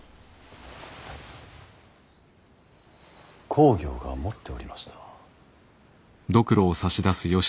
公暁が持っておりました。